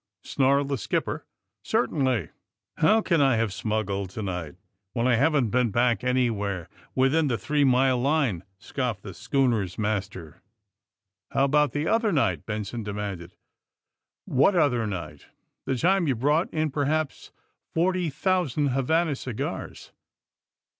snarled the skipper. Certainly." *^How can I have smuggled to night, when I haven't been back anywhere within the three mile line!" scoffed the schooner's master. ^*How about the other night?" Benson de manded. ^^AAHiat other night?" *^ The time you brought in perhaps forty thou sand Havana cigars."